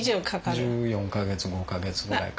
１４か月１５か月ぐらいかかる。